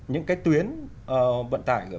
những cái tuyến vận tải